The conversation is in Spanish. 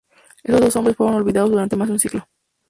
Estos dos nombres fueron olvidados durante más de un siglo.